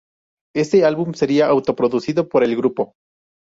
Este álbum seria auto-producido por el grupo.